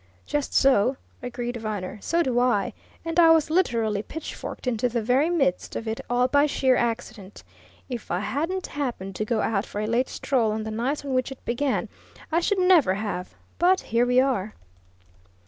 "Just so!" agreed Viner. "So do I and I was literally pitchforked into the very midst of it all by sheer accident. If I hadn't happened to go out for a late stroll on the night on which it began, I should never have but here we are!"